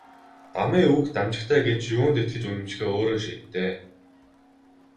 Дамын үг дамжигтай гэж юунд итгэж үнэмшихээ өөрөө шийд дээ.